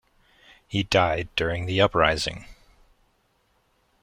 He died during the uprising.